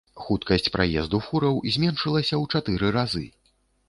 Хуткасць праезду фураў зменшылася ў чатыры разы.